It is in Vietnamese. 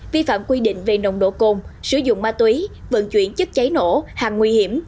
vi phạm quy định về nồng độ cồn sử dụng ma túy vận chuyển chất cháy nổ hàng nguy hiểm